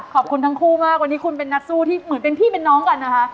ขอบคุณทั้งคู่มากวันนี้คุณเป็นนักสู้ที่เหมือนเป็นพี่เป็นน้องกันนะคะ